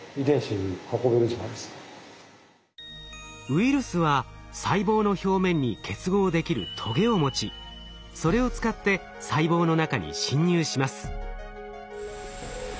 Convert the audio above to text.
ウイルスは細胞の表面に結合できるトゲを持ちそれを使って細胞の中に侵入します。